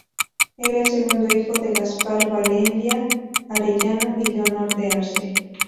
Era el segundo hijo de Gaspar Velandia Arellano y Leonor de Arce.